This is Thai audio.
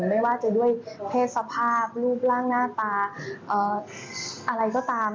ไม่ว่าจะด้วยเพศสภาพรูปร่างหน้าตาอะไรก็ตาม